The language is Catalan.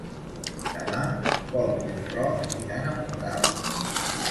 Demà en Pol i en Roc iran a Montcada.